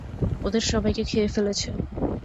ওদের সবাইকে খেয়ে ফেলেছে।